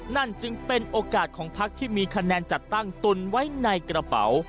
นั่นจึงเป็นโอกาสของพักที่มีคะแนนจัดตั้งตุนไว้ในกระเป๋า